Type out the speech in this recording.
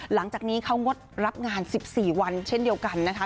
หลังจากนี้เขางดรับงาน๑๔วันเช่นเดียวกันนะคะ